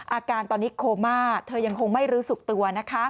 อาการตอนนี้โครมาเธอยังคงไม่รู้สุขตัว